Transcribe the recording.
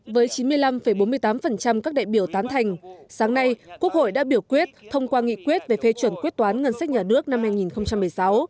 với chín mươi năm bốn mươi tám các đại biểu tán thành sáng nay quốc hội đã biểu quyết thông qua nghị quyết về phê chuẩn quyết toán ngân sách nhà nước năm hai nghìn một mươi sáu